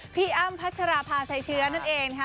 อ้ำพัชราภาชัยเชื้อนั่นเองนะคะ